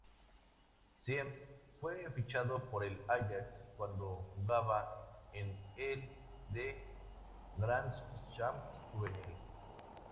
Siem fue fichado por el Ajax cuando jugaba en el De Graafschap juvenil.